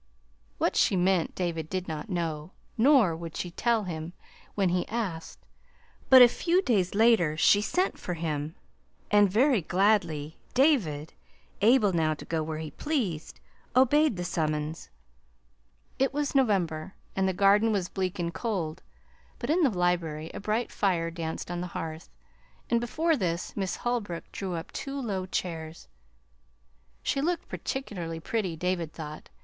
What she meant David did not know; nor would she tell him when he asked; but a few days later she sent for him, and very gladly David able now to go where he pleased obeyed the summons. It was November, and the garden was bleak and cold; but in the library a bright fire danced on the hearth, and before this Miss Holbrook drew up two low chairs. She looked particularly pretty, David thought.